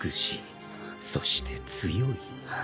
そして強い。